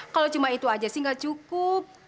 kalau cuma itu saja sih tidak cukup